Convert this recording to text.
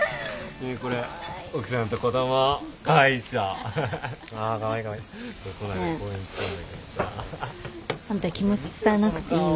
ねえあんた気持ち伝えなくていいの？